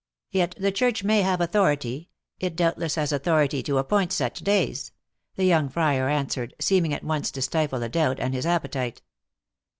" Yet the Church may have authority it doubtless has authority to appoint such days," the young friar answered, seeming at once to stifle a doubt and his appetite.